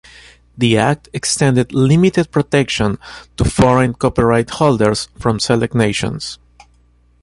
The act extended limited protection to foreign copyright holders from select nations.